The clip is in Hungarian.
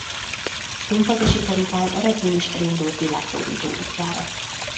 A színpadi siker után a regény is elindult világhódító útjára.